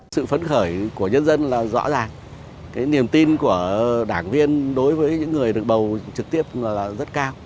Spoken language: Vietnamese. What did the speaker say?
sự phấn khởi của nhân dân là rõ ràng cái niềm tin của đảng viên đối với những người được bầu trực tiếp là rất cao